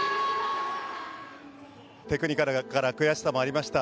テクニカルから悔しさもありました。